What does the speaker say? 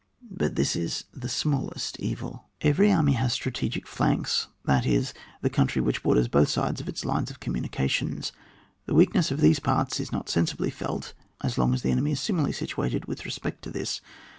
But this is the smallest evil. CHAP. XXI.] ON THE CULMINATING POINT OF VICTORY. 87 Every army has strategic flanks, that is, the country which borders both sides of its lines of communications ; the 'weakness of these parts is not sensibly felt as long as the enemy is similarly situated with respect to his.